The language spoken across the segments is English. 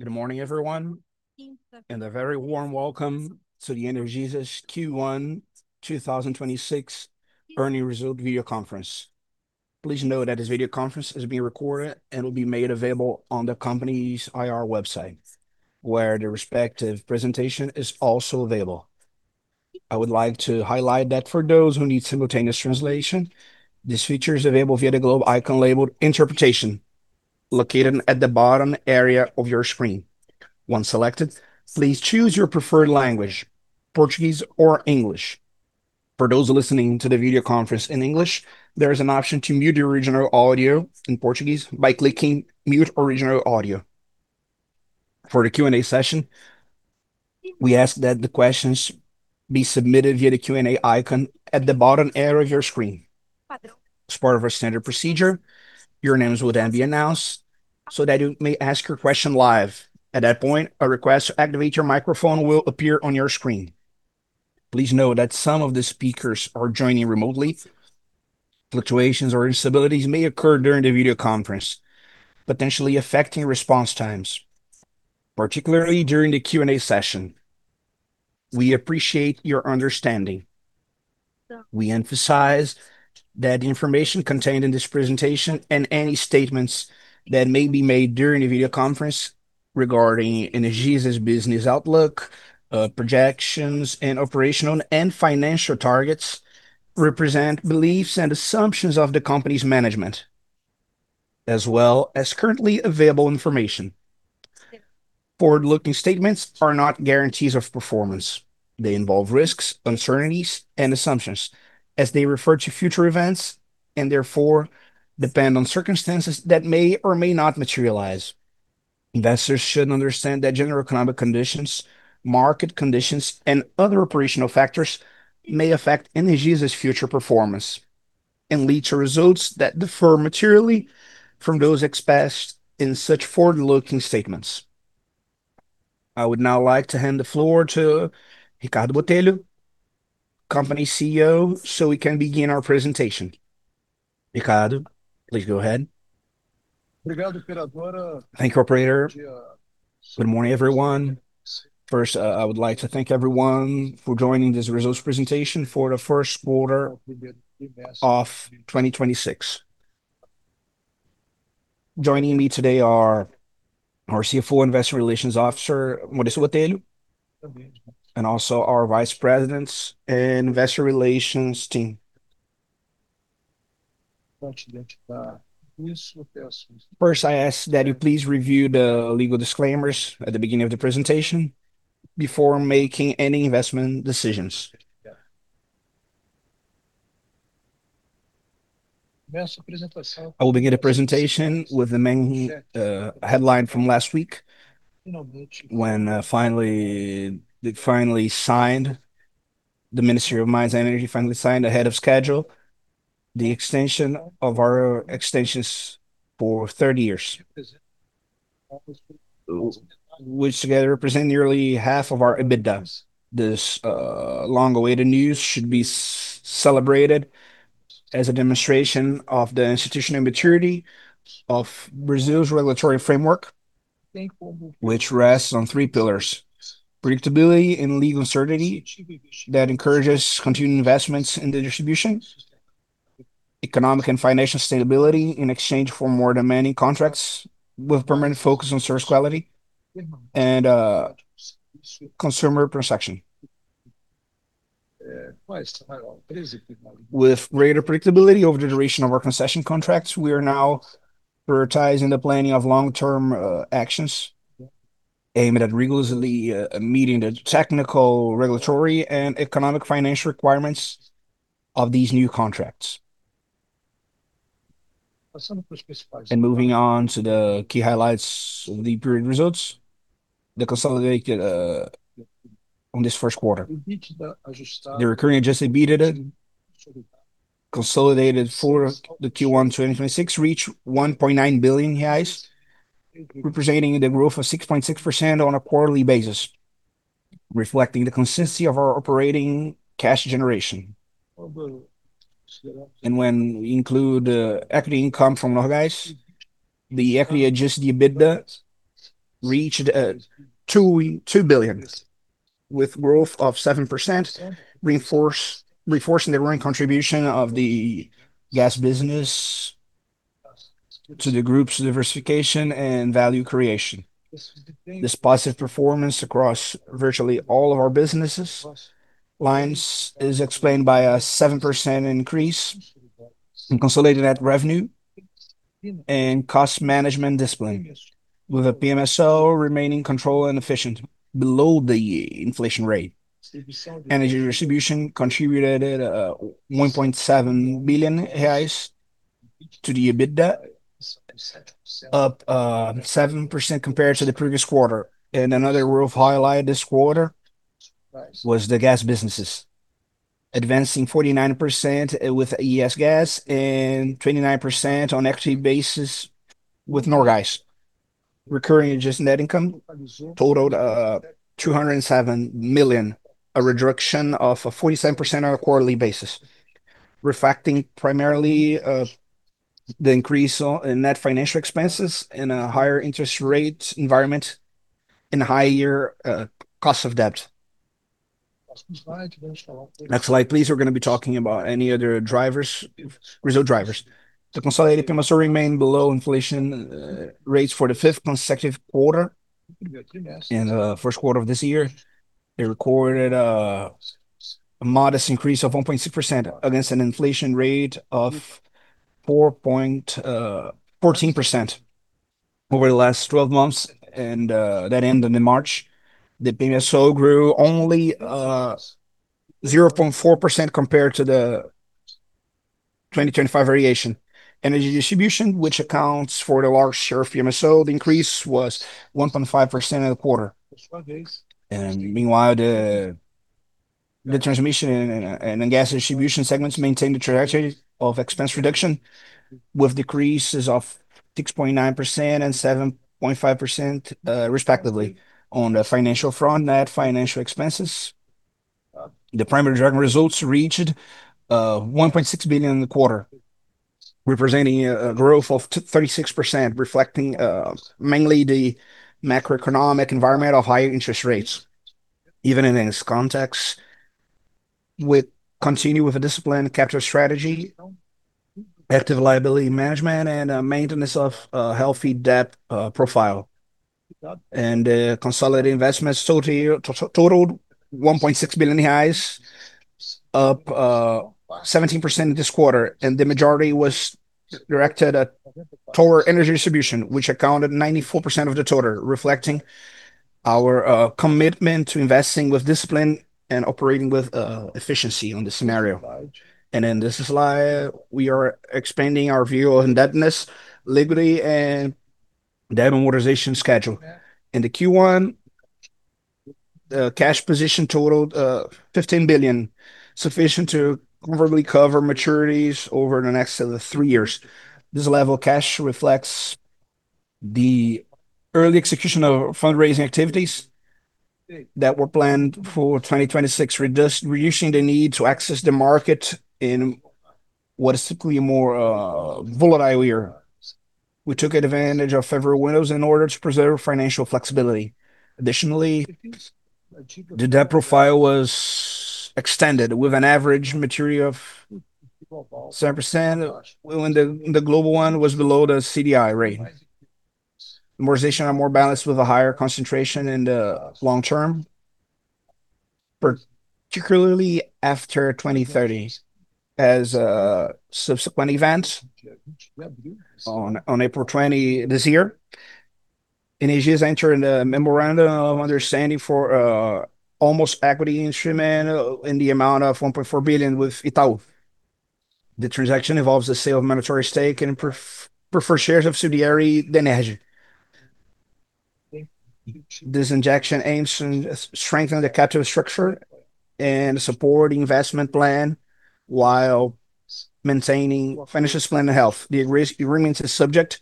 Good morning, everyone. A very warm welcome to the Energisa's Q1 2026 earning result video conference. Please note that this video conference is being recorded and will be made available on the company's IR website, where the respective presentation is also available. I would like to highlight that for those who need simultaneous translation, this feature is available via the globe icon labeled Interpretation, located at the bottom area of your screen. Once selected, please choose your preferred language, Portuguese or English. For those listening to the video conference in English, there is an option to mute the original audio in Portuguese by clicking Mute Original Audio. For the Q&A session, we ask that the questions be submitted via the Q&A icon at the bottom area of your screen. As part of our standard procedure, your names will then be announced so that you may ask your question live. At that point, a request to activate your microphone will appear on your screen. Please note that some of the speakers are joining remotely. Fluctuations or instabilities may occur during the video conference, potentially affecting response times, particularly during the Q&A session. We appreciate your understanding. We emphasize that information contained in this presentation and any statements that may be made during the video conference regarding Energisa's business outlook, projections, and operational and financial targets represent beliefs and assumptions of the company's management, as well as currently available information. Forward-looking statements are not guarantees of performance. They involve risks, uncertainties and assumptions, as they refer to future events, and therefore, depend on circumstances that may or may not materialize. Investors should understand that general economic conditions, market conditions, and other operational factors may affect Energisa's future performance and lead to results that differ materially from those expressed in such forward-looking statements. I would now like to hand the floor to Ricardo Botelho, company CEO, so we can begin our presentation. Ricardo, please go ahead. Thank you, operator. Good morning, everyone. First, I would like to thank everyone for joining this results presentation for the first quarter of 2026. Joining me today are our CFO Investor Relations Officer, Maurício Botelho, and also our Vice Presidents and Investor Relations team. First, I ask that you please review the legal disclaimers at the beginning of the presentation before making any investment decisions. I will begin the presentation with the main headline from last week, when the Ministry of Mines and Energy finally signed ahead of schedule the extension of our extensions for 30 years, which together represent nearly half of our EBITDA. This long-awaited news should be celebrated as a demonstration of the institutional maturity of Brazil's regulatory framework, which rests on three pillars: predictability and legal certainty that encourages continued investments in the distribution, economic and financial sustainability in exchange for more demanding contracts with permanent focus on service quality, and consumer protection. With greater predictability over the duration of our concession contracts, we are now prioritizing the planning of long-term actions aimed at rigorously meeting the technical, regulatory, and economic financial requirements of these new contracts. Moving on to the key highlights of the period results, the consolidated, on this first quarter. The recurring adjusted EBITDA consolidated for the Q1 2026 reached 1.9 billion reais, representing the growth of 6.6% on a quarterly basis, reflecting the consistency of our operating cash generation. When we include equity income from Norgás, the equity adjusted EBITDA reached 2 billion, with growth of 7%, reinforcing the growing contribution of the gas business to the group's diversification and value creation. This positive performance across virtually all of our businesses' lines is explained by a 7% increase in consolidated net revenue and cost management discipline, with the PMSO remaining controlled and efficient below the inflation rate. Energy distribution contributed 1.7 billion reais to the EBITDA, up 7% compared to the previous quarter. Another growth highlight this quarter was the gas businesses, advancing 49% with ES Gás and 29% on equity basis with Norgás. Recurring adjusted net income totaled 207 million, a reduction of 47% on a quarterly basis, reflecting primarily the increase in net financial expenses in a higher interest rate environment and higher cost of debt. Next slide, please. We are going to be talking about any other drivers, result drivers. The consolidated PMSO remained below inflation rates for the fifth consecutive quarter. In the first quarter of this year, it recorded a modest increase of 1.6% against an inflation rate of 4.14% over the last 12 months and that ended in March. The PMSO grew only 0.4% compared to the 2025 variation. Energy distribution, which accounts for the large share of PMSO, the increase was 1.5% in the quarter. Meanwhile, the transmission and the gas distribution segments maintain the trajectory of expense reduction with decreases of 6.9% and 7.5%, respectively. On the financial front, net financial expenses, the primary driving results reached 1.6 billion in the quarter, representing a growth of 36% reflecting mainly the macroeconomic environment of higher interest rates. Even in this context, we continue with a disciplined capture strategy, active liability management, and maintenance of a healthy debt profile. Consolidated investments totaled 1.6 billion reais, up 17% this quarter, and the majority was directed toward energy distribution, which accounted 94% of the total, reflecting our commitment to investing with discipline and operating with efficiency on this scenario. In this slide, we are expanding our view on debt, net liquidity, and debt amortization schedule. In the Q1, the cash position totaled 15 billion, sufficient to comfortably cover maturities over the next three years. This level of cash reflects the early execution of fundraising activities that were planned for 2026, reducing the need to access the market in what is simply a more volatile year. We took advantage of favorable windows in order to preserve financial flexibility. Additionally, the debt profile was extended with an average maturity of 7%. When the global one was below the CDI rate. Amortization are more balanced with a higher concentration in the long term, particularly after 2030 as subsequent events. On April 20 this year, Energisa entered a Memorandum of Understanding for a quasi-equity instrument in the amount of 1.4 billion with Itaú. The transaction involves the sale of mandatory stake and preferred shares of Sudeste de Energia. This injection aims to strengthen the capital structure and support the investment plan while maintaining financial discipline and health. The agreement is subject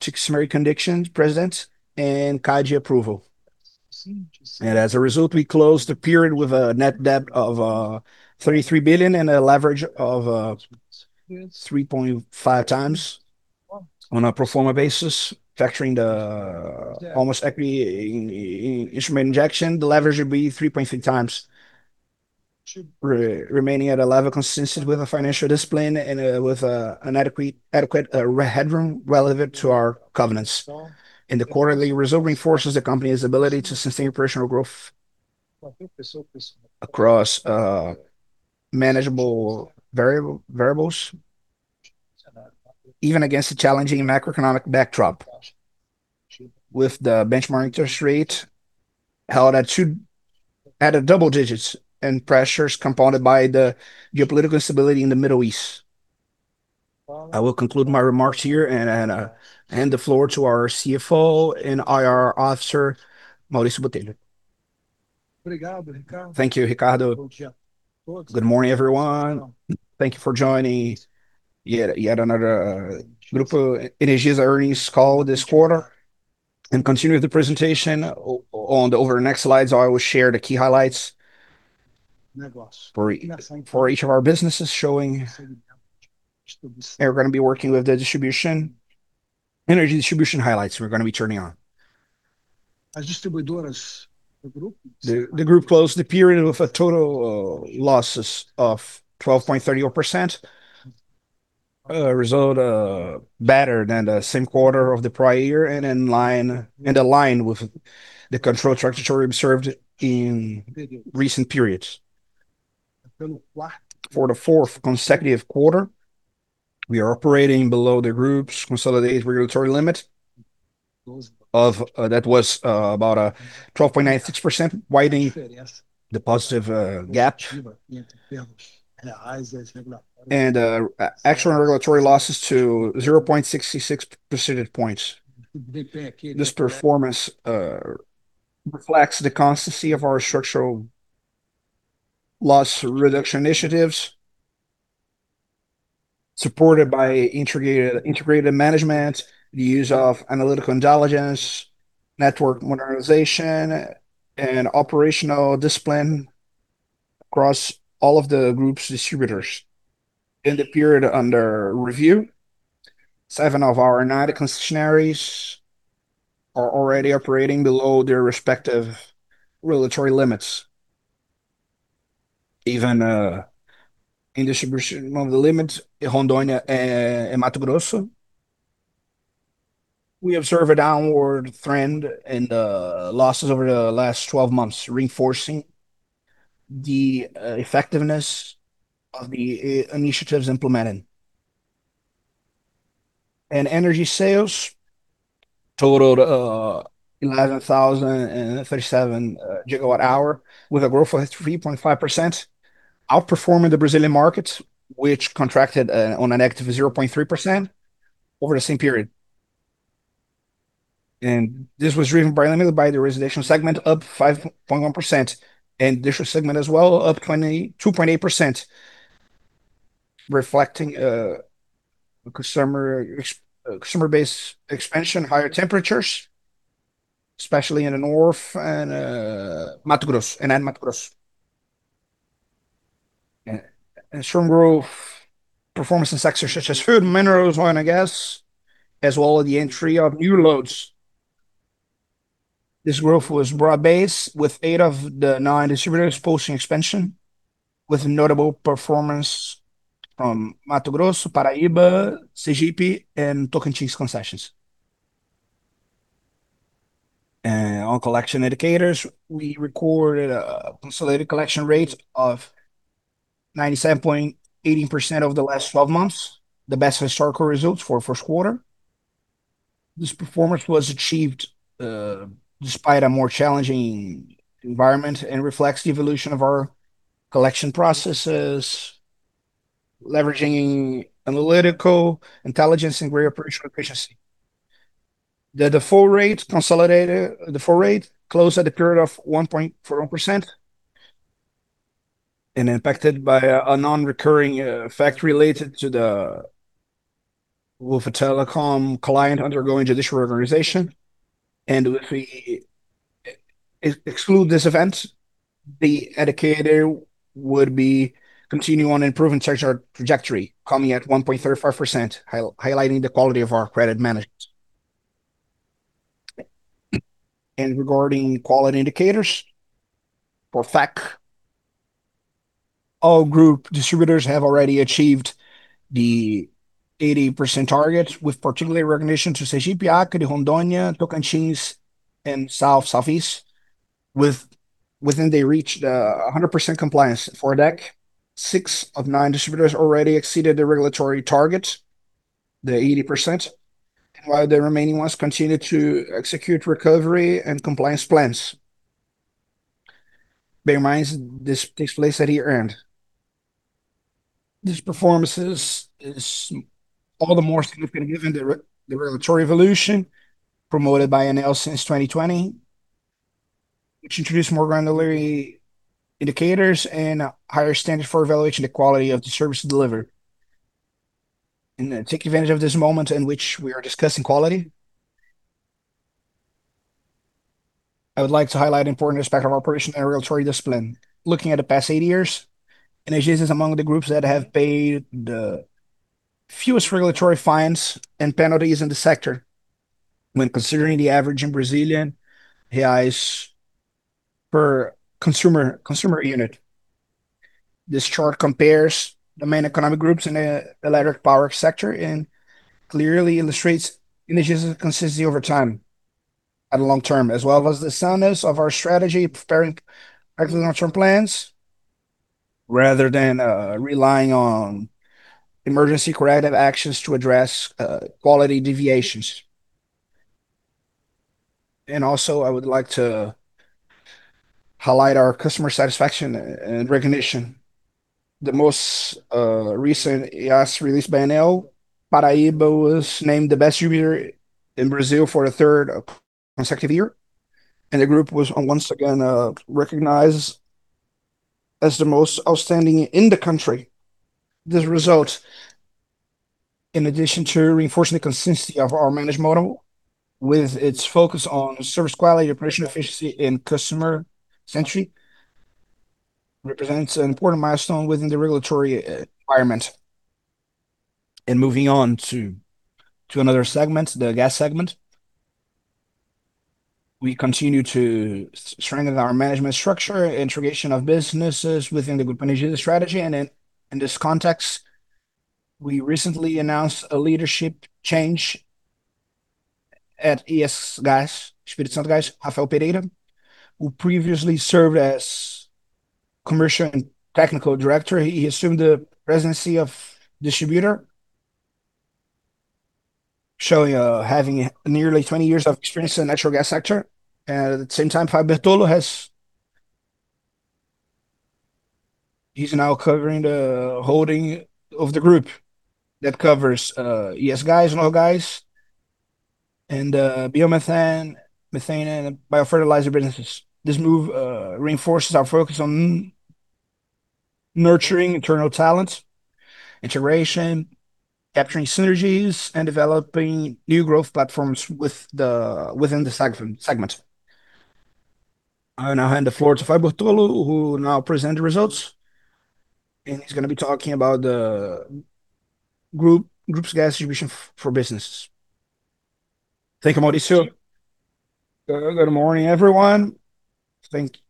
to customary conditions precedent and CADE approval. As a result, we closed the period with a net debt of 33 billion and a leverage of 3.5x on a pro forma basis. Factoring the quasi-equity in instrument injection, the leverage would be 3.3x. Remaining at a level consistent with the financial discipline and with an adequate headroom relevant to our covenants. The quarterly result reinforces the company's ability to sustain operational growth across manageable variables, even against the challenging macroeconomic backdrop. With the benchmark interest rate held at two at a double-digits and pressures compounded by the geopolitical instability in the Middle East. I will conclude my remarks here and hand the floor to our CFO and IR Officer, Maurício Botelho. Thank you, Ricardo. Good morning, everyone. Thank you for joining yet another Grupo Energisa earnings call this quarter. Continuing with the presentation on the Over the next slides, I will share the key highlights for each of our businesses, showing We're gonna be working with the distribution, energy distribution highlights we're gonna be turning on. The group closed the period with a total losses of 12.31%, a result better than the same quarter of the prior year and in line, and aligned with the control trajectory observed in recent periods. For the fourth consecutive quarter, we are operating below the group's consolidated regulatory limit of that was about 12.96% widening the positive gap. Actual regulatory losses to 0.66 percentage points. This performance reflects the constancy of our structural loss reduction initiatives, supported by integrated management, the use of analytical intelligence, network modernization, and operational discipline. Across all of the group's distributors. In the period under review, seven of our nine concessionaries are already operating below their respective regulatory limits. Even in distribution of the limits in Rondônia and Mato Grosso. We observe a downward trend in the losses over the last 12 months, reinforcing the effectiveness of the initiatives implemented. Energy sales totaled 11,037 GWh with a growth rate of 3.5%, outperforming the Brazilian market, which contracted on average 0.3% over the same period. This was driven primarily by the Residential segment, up 5.1%, and Industrial segment as well, up 22.8%, reflecting consumer base expansion, higher temperatures, especially in the north and Mato Grosso. Strong growth performance in sectors such as food and minerals, oil and gas, as well as the entry of new loads. This growth was broad-based, with eight of the nine distributors posting expansion, with notable performance from Mato Grosso, Paraíba, Sergipe, and Tocantins concessions. On collection indicators, we recorded a consolidated collection rate of 97.18% over the last 12 months, the best historical results for first quarter. This performance was achieved despite a more challenging environment and reflects the evolution of our collection processes, leveraging analytical intelligence and great operational efficiency. The default rate closed at the period of 1.41% and impacted by a non-recurring fact related to a telecom client undergoing judicial organization. If we exclude this event, the indicator would be continuing on improving such a trajectory, coming at 1.35%, highlighting the quality of our credit management. Regarding quality indicators. For FEC, all group distributors have already achieved the 80% target, with particular recognition to Sergipe, Acre, Rondônia, Tocantins, and South, Southeast. Within, they reached 100% compliance. For DEC, six of nine distributors already exceeded the regulatory target, the 80%, while the remaining ones continue to execute recovery and compliance plans. Bear in mind, this takes place at year-end. This performance is all the more significant given the regulatory evolution promoted by ANEEL since 2020, which introduced more granularity indicators and higher standards for evaluating the quality of the services delivered. Taking advantage of this moment in which we are discussing quality, I would like to highlight an important aspect of our operational and regulatory discipline. Looking at the past eight years, Energisa is among the groups that have paid the fewest regulatory fines and penalties in the sector when considering the average in Brazilian Reais per consumer unit. This chart compares the main economic groups in the electric power sector clearly illustrates Energisa's consistency over time at the long-term, as well as the soundness of our strategy, preparing long-term plans rather than relying on emergency corrective actions to address quality deviations. Also, I would like to highlight our customer satisfaction and recognition. The most recent IASC released by ANEEL, Paraíba was named the best distributor in Brazil for the third consecutive year, the group was once again recognized as the most outstanding in the country. This result, in addition to reinforcing the consistency of our managed model with its focus on service quality, operational efficiency, and customer centricity, represents an important milestone within the regulatory environment. Moving on to another segment, the Gas segment. We continue to strengthen our management structure, integration of businesses within the group Energisa strategy. In this context, we recently announced a leadership change at ES Gás, Espírito Santo Gás. Rafael Pereira, who previously served as Commercial and Technical Director, he assumed the Presidency of Distributor, showing, having nearly 20 years of experience in the natural gas sector. At the same time, Fábio Bertollo, he's now covering the holding of the group that covers ES Gás, Norgás, and Biomethane, methane, and biofertilizer businesses. This move reinforces our focus on nurturing internal talents, integration, capturing synergies and developing new growth platforms within the segment. I now hand the floor to Fábio Bertollo, who will now present the results, and he's gonna be talking about the group's gas distribution for businesses. Thank you, Maurício. Good morning, everyone. Thank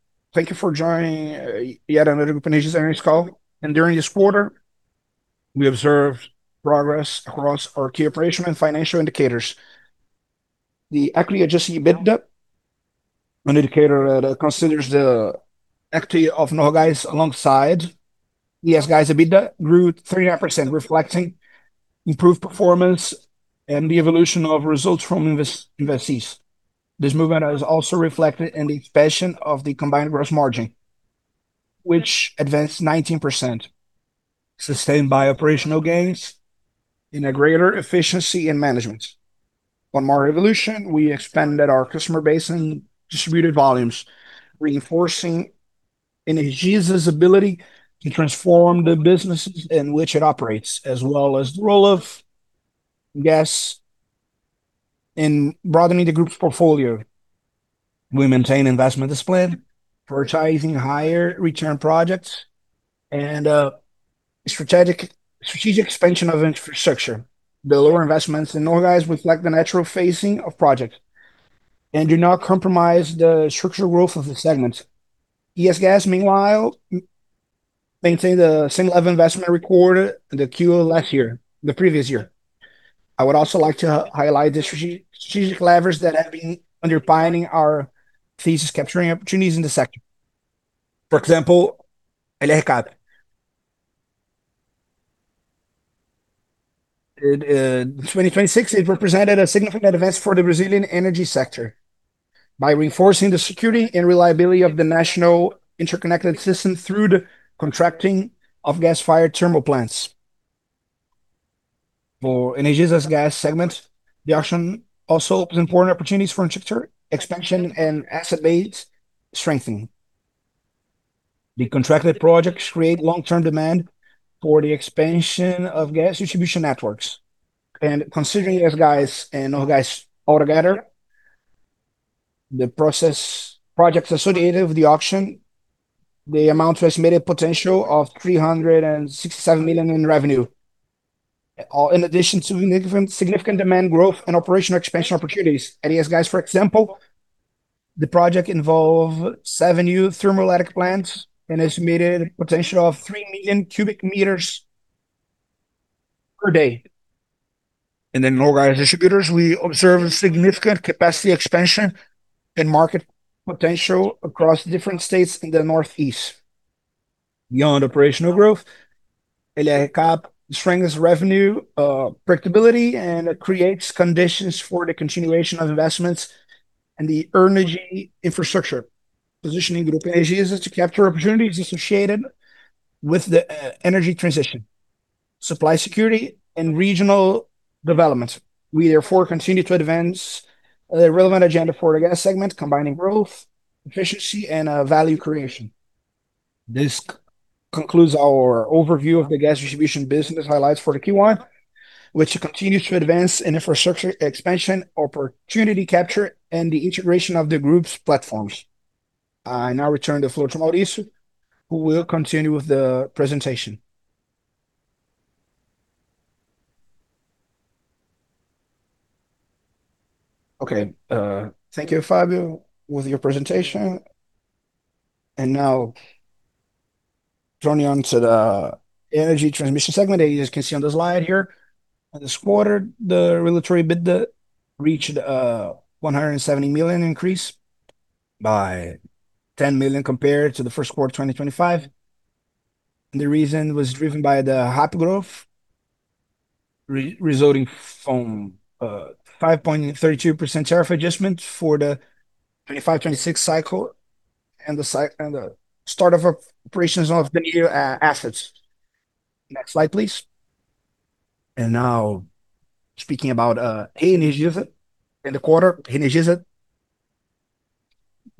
you for joining yet another Grupo Energisa earnings call. During this quarter, we observed progress across our key operational and financial indicators. The equity-adjusted EBITDA, an indicator that considers the equity of Norgás alongside ES Gás EBITDA grew 39%, reflecting improved performance and the evolution of results from investees. This movement is also reflected in the expansion of the combined gross margin, which advanced 19%, sustained by operational gains in a greater efficiency and management. On market evolution, we expanded our customer base and distributed volumes, reinforcing Energisa's ability to transform the businesses in which it operates, as well as the role of gas in broadening the group's portfolio. We maintain investment discipline, prioritizing higher return projects and strategic expansion of infrastructure. The lower investments in Norgás reflect the natural phasing of projects and do not compromise the structural growth of the segment. ES Gás, meanwhile, maintain the same level of investment recorded in the Q last year, the previous year. I would also like to highlight the strategic levers that have been underpinning our thesis capturing opportunities in the sector. For example, E.Leclerc. In 2026 it represented a significant advance for the Brazilian energy sector by reinforcing the security and reliability of the national interconnected system through the contracting of gas-fired thermal plants. For Energisa's gas segment, the auction also opens important opportunities for infrastructure expansion and asset base strengthening. The contracted projects create long-term demand for the expansion of gas distribution networks. Considering ES Gás and Norgás altogether, the process, projects associated with the auction, they amount to estimated potential of 367 million in revenue, in addition to significant demand growth and operational expansion opportunities. At ES Gás, for example, the project involve seven new thermoelectric plants, an estimated potential of 3 million cubic meters per day. Norgás Distributors, we observe a significant capacity expansion and market potential across different states in the Northeast. Beyond operational growth, E.Leclerc strengthens revenue predictability, and it creates conditions for the continuation of investments in the energy infrastructure, positioning Grupo Energisa to capture opportunities associated with the energy transition, supply security and regional development. We therefore continue to advance a relevant agenda for the Gas segment, combining growth, efficiency and value creation. This concludes our overview of the gas distribution business highlights for the Q1, which continues to advance in infrastructure expansion, opportunity capture and the integration of the group's platforms. I now return the floor to Maurício, who will continue with the presentation. Okay. Thank you, Fábio, with your presentation. Now turning on to the Energy Transmission segment. As you guys can see on the slide here, in this quarter, the regulatory EBITDA reached 170 million, increased by 10 million compared to the 1st quarter of 2025. The reason was driven by the high growth resulting from 5.32% tariff adjustment for the 2025/2026 cycle and the start of operations of the new assets. Next slide, please. Now speaking about Energisa. In the quarter, Energisa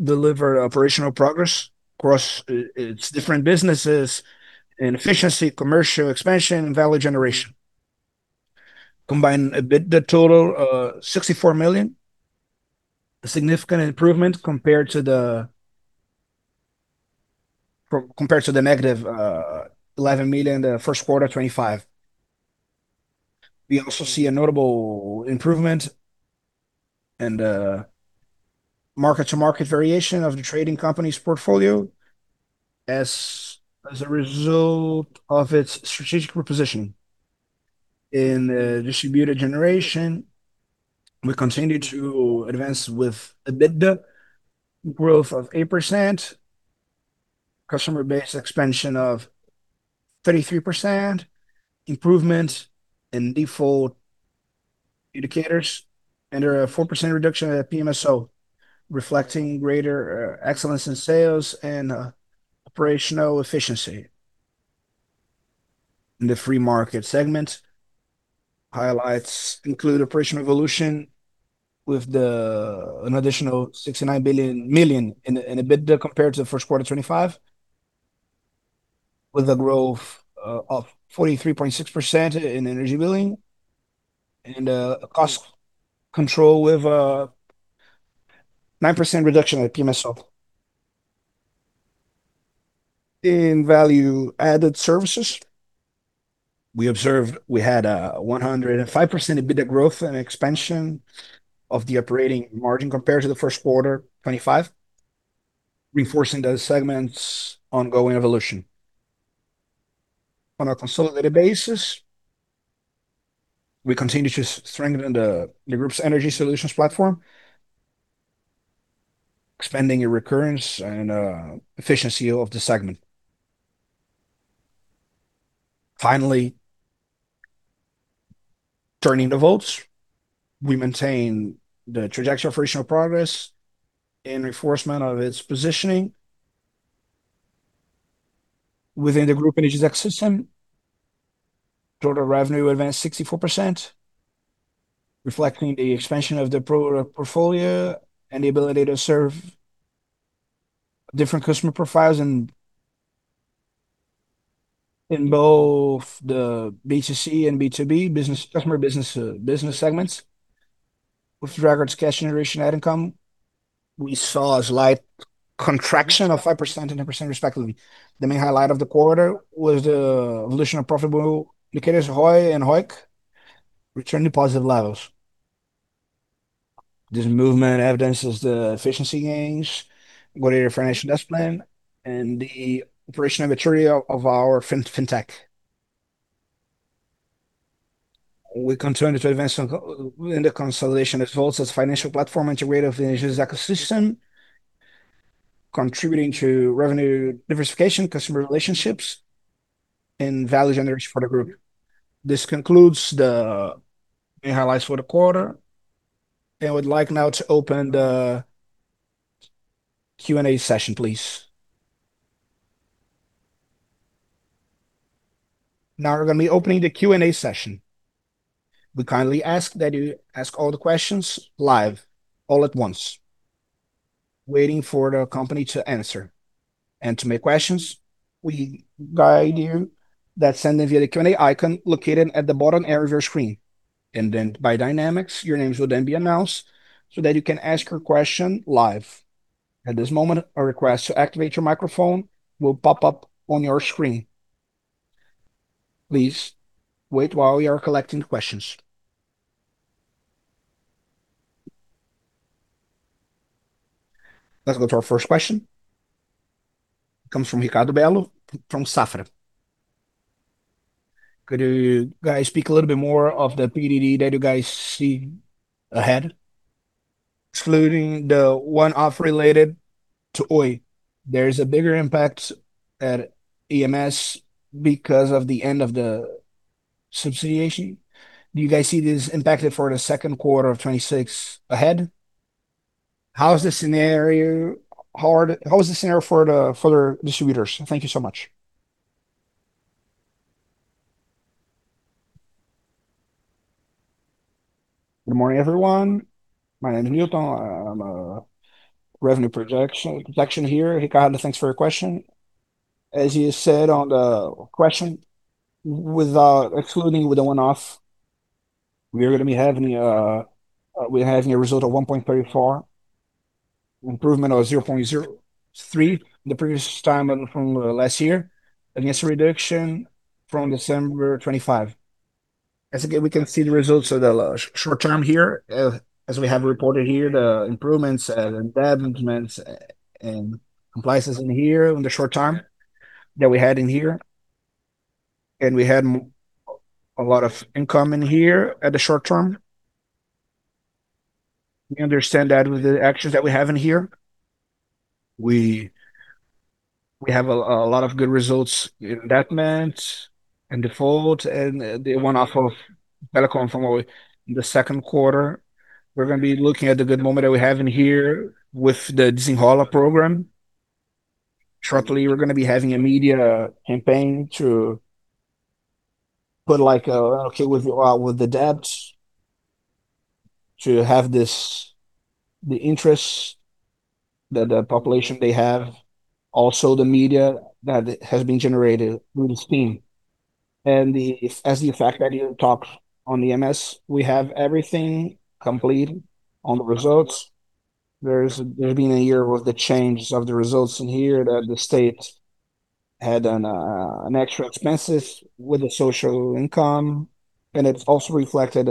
delivered operational progress across its different businesses in efficiency, commercial expansion and value generation. Combined EBITDA total 64 million, a significant improvement compared to the -11 million in the first quarter of 2025. We also see a notable improvement in the market-to-market variation of the trading company's portfolio as a result of its strategic reposition. In the distributed generation, we continue to advance with EBITDA growth of 8%, customer base expansion of 33%, improvement in default indicators, and a 4% reduction in the PMSO, reflecting greater excellence in sales and operational efficiency. In the Free Market segment, highlights include operational evolution with an additional 69 million in EBITDA compared to the first quarter of 2025. With a growth of 43.6% in energy billing and a cost control with a 9% reduction at PMSO. In value-added services, we had 105% EBITDA growth and expansion of the operating margin compared to the first quarter 2025, reinforcing the segment's ongoing evolution. On a consolidated basis, we continue to strengthen the group's energy solutions platform, expanding a recurrence and efficiency of the segment. Finally, turning to Voltz, we maintain the trajectory operational progress and enforcement of its positioning within the Grupo Energisa ecosystem. Total revenue advanced 64%, reflecting the expansion of the pro-portfolio and the ability to serve different customer profiles in both the B2C and B2B business customer segments. With regards to cash generation net income, we saw a slight contraction of 5% and 10% respectively. The main highlight of the quarter was the evolution of profitable indicators ROI and ROIC returned to positive levels. This movement evidences the efficiency gains regarding financial discipline and the operational maturity of our fintech. We continue to advance in the consolidation results as financial platform integrated with Energisa ecosystem, contributing to revenue diversification, customer relationships, and value generation for the group. This concludes the main highlights for the quarter. I would like now to open the Q&A session, please. Now we're gonna be opening the Q&A session. We kindly ask that you ask all the questions live all at once, waiting for the company to answer. To make questions, we guide you that sending via the Q&A icon located at the bottom area of your screen. By Dynamics, your names will then be announced so that you can ask your question live. At this moment, a request to activate your microphone will pop up on your screen. Please wait while we are collecting questions. Let's go to our first question. It comes from Ricardo Bello from Safra. Could you guys speak a little bit more of the PDD that you guys see ahead? Excluding the one-off related to Oi, there is a bigger impact at EMS because of the end of the subsidization. Do you guys see this impacted for the second quarter of 2026 ahead? How is the scenario for the distributors? Thank you so much. Good morning, everyone. My name is Newton. I'm revenue projection here. Ricardo, thanks for your question. As you said on the question, excluding with the one-off, we are gonna be having a, we're having a result of 1.34, improvement of 0.03 the previous time from last year, against a reduction from December 25. As again, we can see the results of the short-term here, as we have reported here, the improvements, the investments and compliances in here in the short-term that we had in here. We had a lot of income in here at the short-term. We understand that with the actions that we have in here, we have a lot of good results in investments, in default and the one-off of telecom from Oi in the second quarter. We're gonna be looking at the good moment that we have in here with the Desenrola program. Shortly, we're gonna be having a media campaign to put like, okay with the debts to have the interest that the population they have, also the media that has been generated with steam. As the fact that you talked on the MS, we have everything complete on the results. There's been a year with the change of the results in here that the state had an extra expenses with the social income, and it's also reflected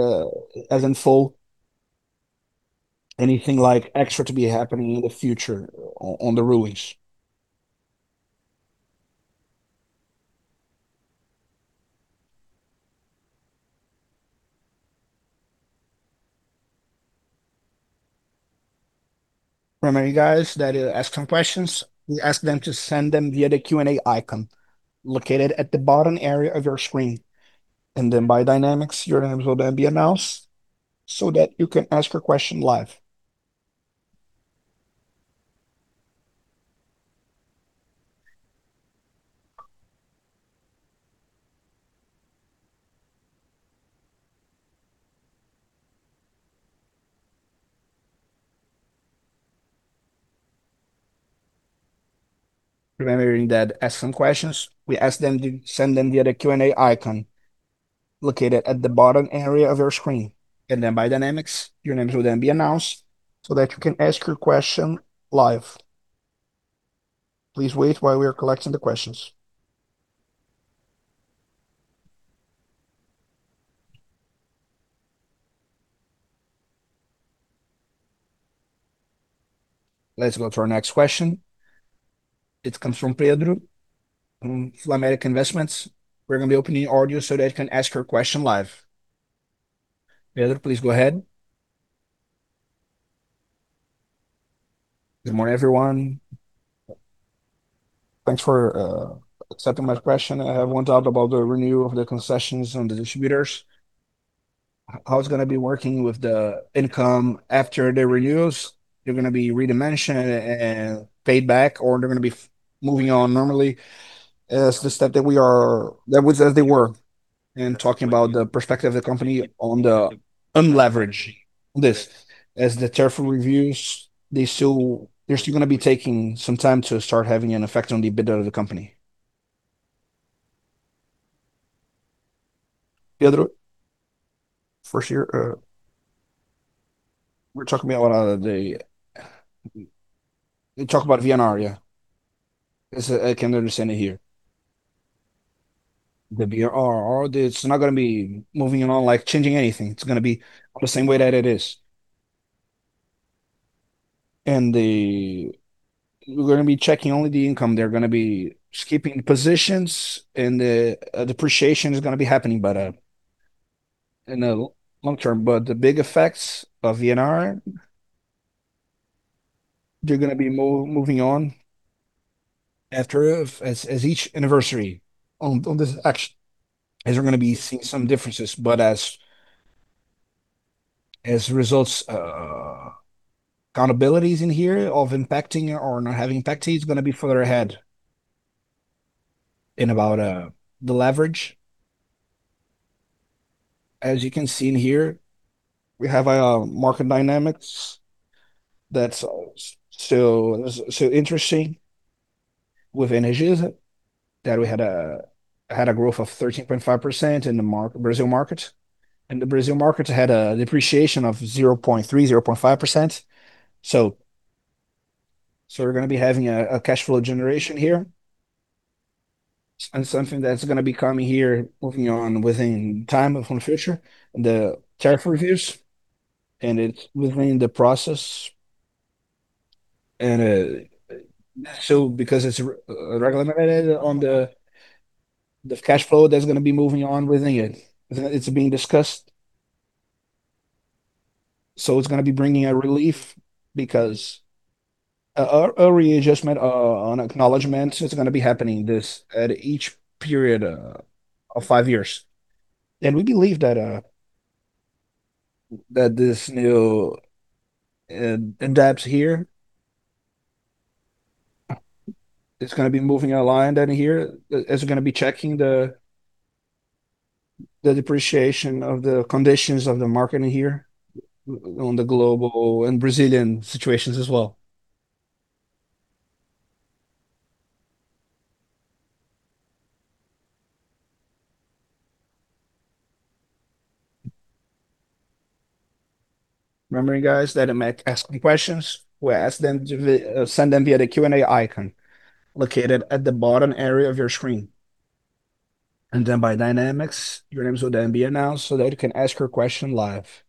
as in full. Anything like extra to be happening in the future on the release. Remind you guys that are asking questions, we ask them to send them via the Q&A icon located at the bottom area of your screen. By Dynamics, your names will then be announced so that you can ask your question live. Remembering that ask some questions, we ask them to send them via the Q&A icon located at the bottom area of your screen. By Dynamics, your names will then be announced so that you can ask your question live. Please wait while we are collecting the questions. Let's go to our next question. It comes from Pedro from Fluminense Investments. We're gonna be opening your audio so that you can ask your question live. Pedro, please go ahead. Good morning, everyone. Thanks for accepting my question. I have one doubt about the renewal of the concessions on the distributors. How it's going to be working with the income after the renewals? They're going to be redimensioned and paid back, or they're going to be moving on normally as the step that was as they were. Talking about the perspective of the company on the unleverage this. The tariff reviews, they're still going to be taking some time to start having an effect on the EBITDA of the company. Pedro, first here, we're talking about the You talk about VNR, yeah. I can understand it here. The VNR, it's not going to be moving on, like, changing anything. It's going to be the same way that it is. We're going to be checking only the income. They're gonna be skipping positions and the depreciation is gonna be happening, but in the long-term. The big effects of VNR, they're gonna be moving on as each anniversary on this action, as we're gonna be seeing some differences. As results, accountabilities in here of impacting or not having impact, it's gonna be further ahead in about the leverage. As you can see in here, we have a market dynamics that's still interesting with Energisa that we had a growth of 13.5% in the Brazil market, and the Brazil market had a depreciation of 0.3%, 0.5%. We're gonna be having a cash flow generation here. Something that's gonna be coming here, moving on within time of the future, the tariff reviews, and it's within the process. Because it's regulated on the cash flow that's gonna be moving on within it's being discussed. It's gonna be bringing a relief because a readjustment on acknowledgment, it's gonna be happening this at each period of five years. We believe that this new adapts here, it's gonna be moving aligned in here, as we're gonna be checking the depreciation of the conditions of the market in here on the global and Brazilian situations as well. Remembering, guys, that to ask some questions, we ask them to send them via the Q&A icon located at the bottom area of your screen. By Dynamics, your names will then be announced so that you can ask your question live.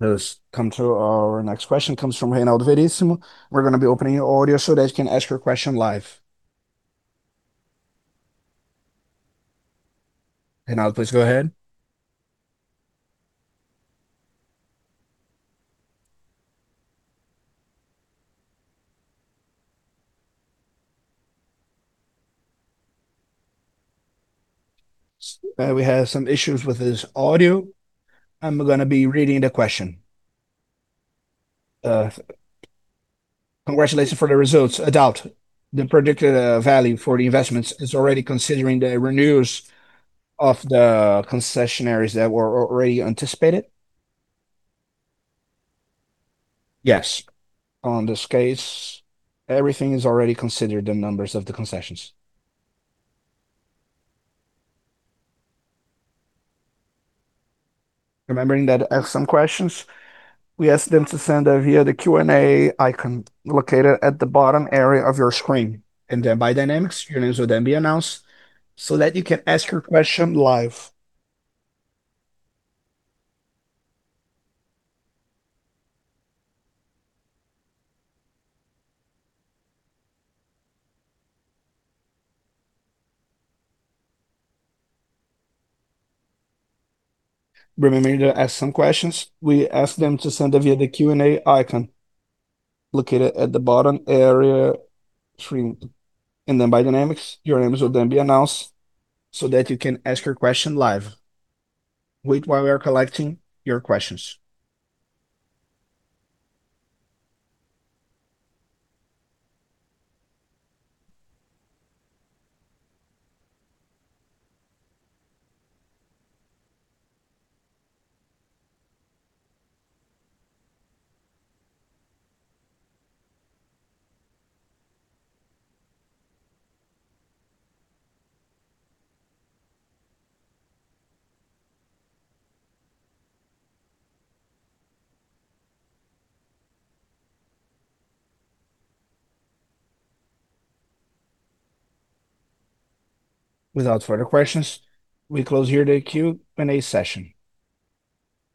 Our next question comes from Reinaldo Verissimo. We're gonna be opening your audio so that you can ask your question live. Reinaldo, please go ahead. We have some issues with his audio. I'm gonna be reading the question. Congratulations for the results. A doubt. The predicted value for the investments is already considering the renewals of the concessionaires that were already anticipated? Yes. On this case, everything is already considered the numbers of the concessions. Remembering that ask some questions, we ask them to send them via the Q&A icon located at the bottom area of your screen. By Dynamics, your names will then be announced so that you can ask your question live. Remembering to ask some questions, we ask them to send them via the Q&A icon located at the bottom area screen. By Dynamics, your names will then be announced so that you can ask your question live. Wait while we are collecting your questions. Without further questions, we close here the Q&A session.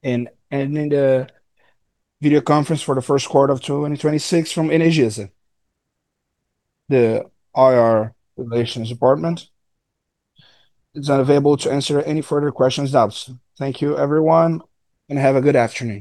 Ending the video conference for the first quarter of 2026 from Energisa. The IR relations department is available to answer any further questions, doubts. Thank you, everyone, and have a good afternoon.